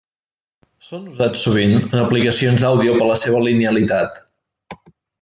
Són usats sovint en aplicacions d'àudio per la seva linealitat.